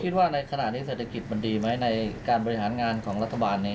ในขณะนี้เศรษฐกิจมันดีไหมในการบริหารงานของรัฐบาลนี้